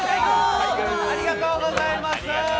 ありがとうございます。